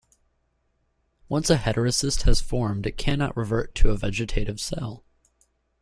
Once a heterocyst has formed it cannot revert to a vegetative cell.